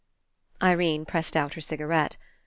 Irene pressed out her cigarette.